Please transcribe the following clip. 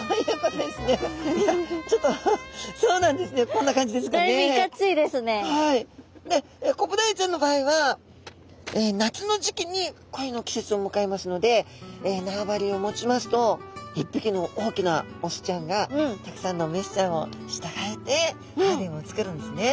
こんな感じですかね。でコブダイちゃんの場合は夏の時期に恋の季節をむかえますので縄張りを持ちますと一匹の大きなオスちゃんがたくさんのメスちゃんを従えてハーレムを作るんですね。